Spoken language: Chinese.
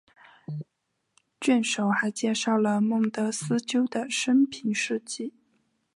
卷首还介绍孟德斯鸠的生平事迹。